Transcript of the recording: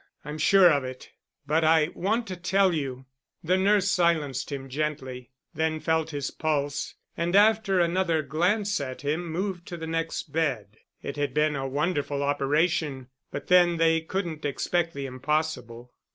I'm sure of it. But I want to tell you——" The nurse silenced him gently, then felt his pulse and after another glance at him moved to the next bed. It had been a wonderful operation, but then they couldn't expect the impossible.